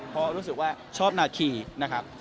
เพราะรู้สึกว่าชอบนาคีนะครับ